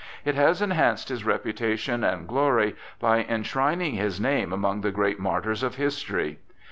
It has enhanced his reputation and glory by enshrining his name among the great martyrs of history.